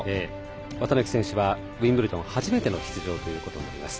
綿貫選手はウィンブルドン初めての出場となります。